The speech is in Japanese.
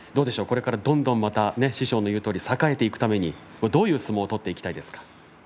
これからどんどん師匠の言うように栄えるためにどんな相撲を取っていきたいですか？